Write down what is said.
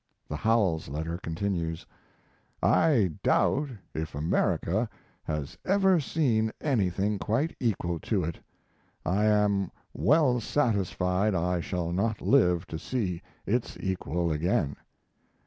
The Howells letter continues: I doubt if America has ever seen anything quite equal to it; I am well satisfied I shall not live to see its equal again.